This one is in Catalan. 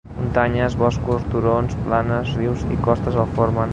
Muntanyes, boscos, turons, planes, rius i costes el formen